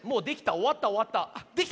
おわったおわった。